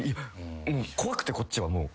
怖くてこっちはもう。